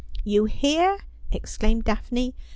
' You hear,' exclaimed Daphne.